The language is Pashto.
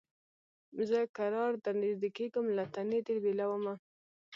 زه کرار درنیژدې کېږم له تنې دي بېلومه